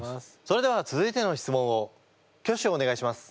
それでは続いての質問を挙手お願いします。